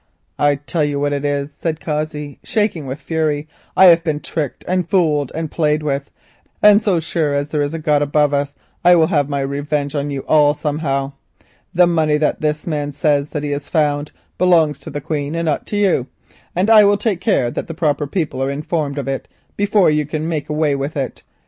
"I tell you what it is," Cossey said, shaking with fury, "I have been tricked and fooled and played with, and so surely as there is a heaven above us I will have my revenge on you all. The money which this man says that he has found belongs to the Queen, not to you, and I will take care that the proper people are informed of it before you can make away with it.